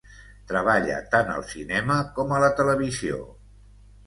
Treballa tant al cinema com a la televisió.